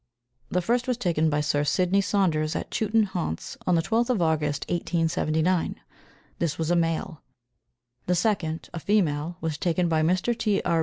The first was taken by Sir Sidney Saunders at Chewton, Hants, on the twelfth of August, 1879; this was a male; the second, a female, was taken by Mr. T. R.